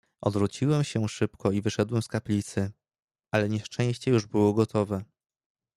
"Odwróciłem się szybko i wyszedłem z kaplicy, ale nieszczęście już było gotowe."